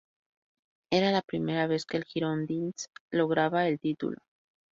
Era la primera vez que el Girondins lograba el título.